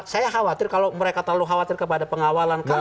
saya khawatir kalau mereka terlalu khawatir kepada pengawalan kami